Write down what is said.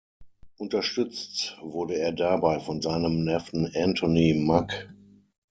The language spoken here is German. Unterstützt wurde er dabei von seinem Neffen Anthony Mack.